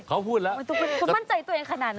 เขาพูดแล้วมันต้องมั่นใจตัวเองขนาดนะ